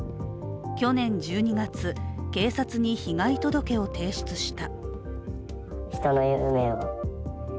去年１２月、警察に被害届を提出した。